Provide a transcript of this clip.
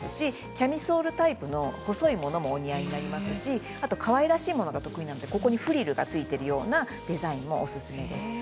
キャミソールタイプの細いものもお似合いになりますしかわいらしいものが得意なので外の部分にフリルがついているものも、おすすめです。